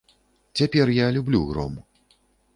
Цяпер я люблю гром.